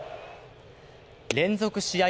連続試合